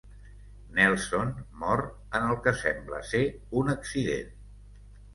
Nelson mor en el que sembla ser un accident.